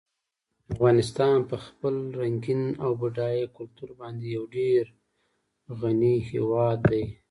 افغانستان په خپل رنګین او بډایه کلتور باندې یو ډېر غني هېواد دی.